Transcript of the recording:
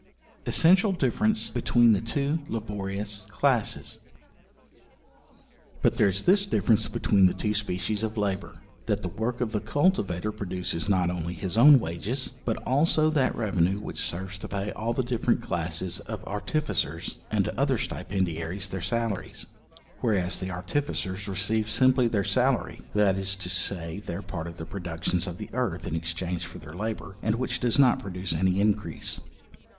Essential difference between the two laborious classes. But there is this difference between the two species of labour; that the work of the cultivator produces not only his own wages, but also that revenue which serves to pay all the different classes of artificers, and other stipendiaries their salaries: whereas the artificers receive simply their salary, that is to say, their part of the productions of the earth, in exchange for their labour, and which does not produce any increase.